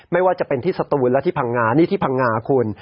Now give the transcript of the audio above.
ไม่ว่าจะเป็นที่สตูนและที่พังงานี่ที่พังงาคุณ